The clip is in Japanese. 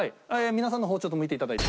皆さんの方ちょっと向いていただいて。